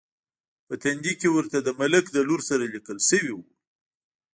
په تندي کې ورته د ملک د لور سره لیکل شوي و.